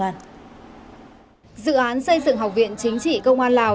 dự án xây dựng học viện chính trị công an lào